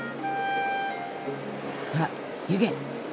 あら湯気。